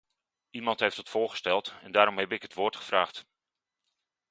Iemand heeft dat voorgesteld, en daarom heb ik het woord gevraagd.